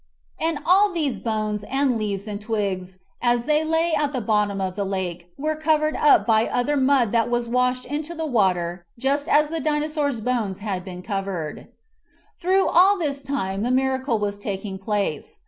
36 MIGHTY ANIMALS And all these bones and leaves and twigs as they lay at the bottom of the lake were covered up by other mud that was washed into the water just as the Dinosaur's bones had been covered. Through all this time the miracle was taking place.